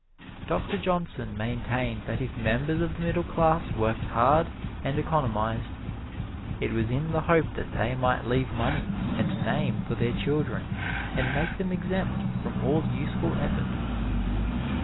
Doctor Johnson maintained that if members of the Middle Class worked hard and economized, it was in the hope that they might leave money and name for their children and make them exempt from all useful effort.